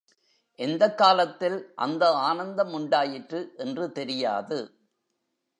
எந்தக் காலத்தில் அந்த ஆனந்தம் உண்டாயிற்று என்று தெரியாது.